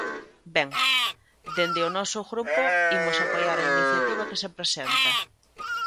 Ben, dende o noso grupo imos apoiar a iniciativa que se presenta.